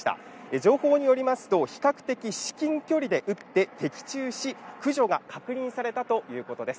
情報によりますと比較的、至近距離で撃って的中し、駆除が確認されたということです。